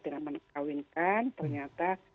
dengan menikahwinkan ternyata